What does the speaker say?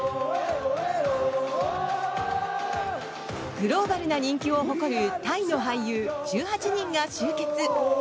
グローバルな人気を誇るタイの俳優１８人が集結。